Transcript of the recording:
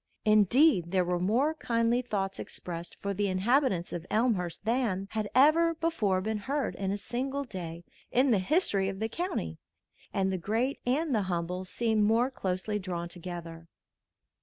Indeed, there were more kindly thoughts expressed for the inhabitants of Elmhurst than had ever before been heard in a single day in the history of the county, and the great and the humble seemed more closely drawn together.